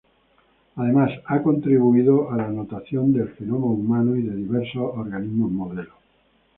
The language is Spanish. Además ha contribuido a la notación del genoma humano y de diversos organismos modelo.